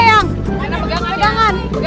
kakak udah bawa bantang